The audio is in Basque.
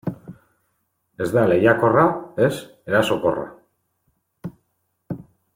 Ez da lehiakorra, ez erasokorra.